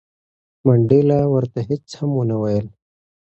منډېلا ورته هیڅ هم ونه ویل.